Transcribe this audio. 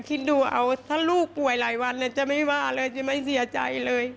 คิดดูเอาถ้าลูกป่วยหลายวันจะไม่ว่าเลยจะไม่เสียใจเลย